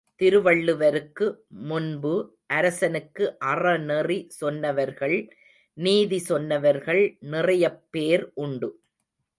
திருவள்ளுவருக்கு முன்பு, அரசனுக்கு அறநெறி சொன்னவர்கள் நீதி சொன்னவர்கள் நிறையப் பேர் உண்டு.